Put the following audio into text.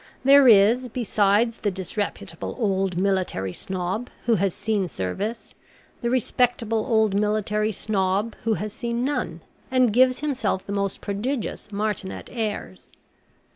There is, besides the disreputable old Military Snob, who has seen service, the respectable old Military Snob, who has seen none, and gives himself the most prodigious Martinet airs.